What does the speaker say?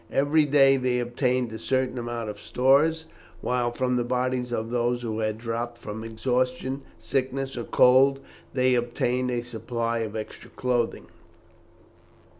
Every day they obtained a certain amount of stores, while from the bodies of those who had dropped from exhaustion, sickness, or cold they obtained a supply of extra clothing.